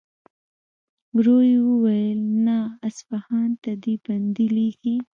ورو يې وويل: نه! اصفهان ته دې بندې لېږي.